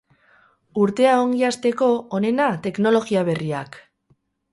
Urtea ongi asteko, onena teknologia berriak!